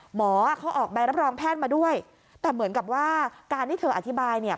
หมอเขาออกใบรับรองแพทย์มาด้วยแต่เหมือนกับว่าการที่เธออธิบายเนี่ย